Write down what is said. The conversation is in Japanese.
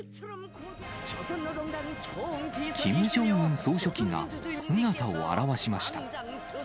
総書記が姿を現しました。